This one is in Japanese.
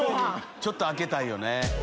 ちょっと空けたいよね。